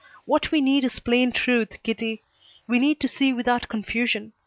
What we need is plain truth, Kitty. We need to see without confusion.